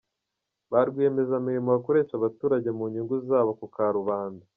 Ba Rwiyemezamirimo bakoresha abaturage mu nyungu zabo ku karubanda